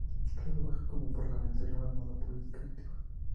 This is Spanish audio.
Tras su baja como parlamentario abandonó la política activa.